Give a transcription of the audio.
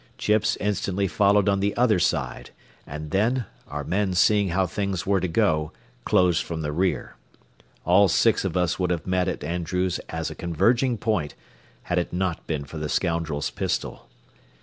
Chips instantly followed on the other side, and then, our men seeing how things were to go, closed from the rear. All six of us would have met at Andrews as a converging point, had it not been for the scoundrel's pistol.